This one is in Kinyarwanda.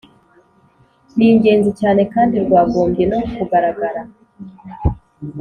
ni ingenzi cyane kandi rwagombye no kugaragara